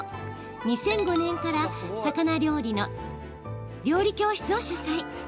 ２００５年から魚専門の料理教室を主宰。